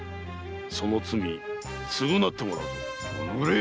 その罪つぐなってもらうぞ。